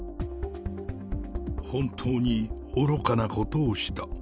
本当に愚かなことをした。